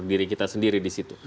diri kita sendiri di situ